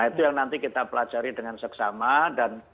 nah itu yang nanti kita pelajari dengan seksama dan